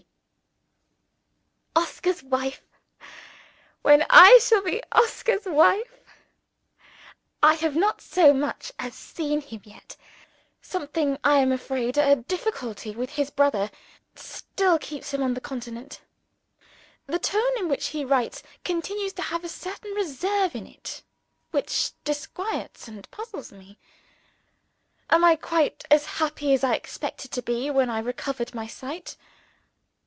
P.] Oscar's wife! when shall I be Oscar's wife? I have not so much as seen him yet. Something I am afraid a difficulty with his brother still keeps him on the Continent. The tone in which he writes continues to have a certain reserve in it which disquiets and puzzles me. Am I quite as happy as I expected to be when I recovered my sight?